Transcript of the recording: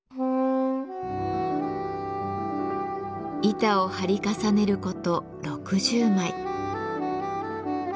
板を貼り重ねること６０枚。